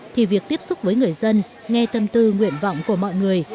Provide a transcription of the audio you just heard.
thì việc tiếp xúc với người dân nghe tâm tư nguyện vọng của mọi người